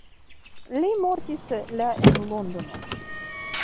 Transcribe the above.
Li mortis la en Londono.